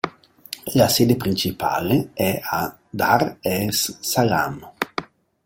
La sede principale è a Dar es Salaam.